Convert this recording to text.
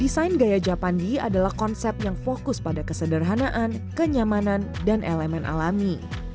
desain gaya japandi adalah konsep yang fokus pada kesederhanaan kenyamanan dan elemen alami